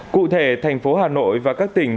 cụ thể thành phố hà nội và các tỉnh